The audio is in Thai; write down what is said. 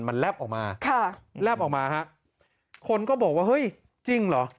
มันแลบออกมาค่ะแลบออกมาฮะคนก็บอกว่าเฮ้ยจริงเหรอ